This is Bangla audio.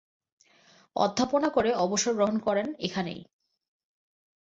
অধ্যাপনা করে অবসর গ্রহণ করেন এখানেই।